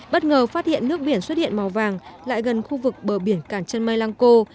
bất ngờ phát hiện nước biển xuất hiện màu vàng lại gần khu vực bờ biển cảng chân mây lăng cô